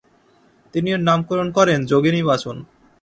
তিনি এর নামকরণ করেন যোগিনী পাচন।